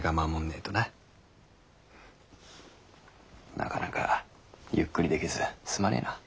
なかなかゆっくりできずすまねぇな。